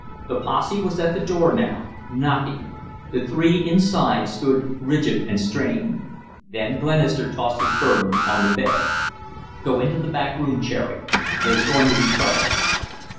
The posse was at the door now, knocking. The three inside stood rigid and strained. Then Glenister tossed his burden on the bed. "Go into the back room, Cherry; there's going to be trouble."